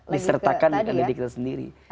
disertakan dengan diri kita sendiri